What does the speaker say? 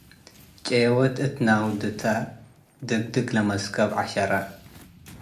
ጬወቱ እት ናውድተ - ድግድግ ለመስከብ ዐሸረ